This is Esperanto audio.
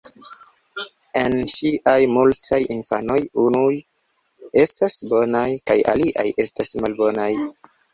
El ŝiaj multaj infanoj unuj estas bonaj kaj aliaj estas malbonaj.